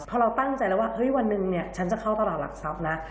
พอเราตั้งใจแล้วว่าเฮ้ยวันหนึ่งเนี่ยฉันจะเข้าตลาดหลักทรัพย์นะ